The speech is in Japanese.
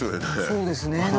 そうですね何か。